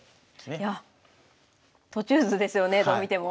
いや途中図ですよねどう見ても。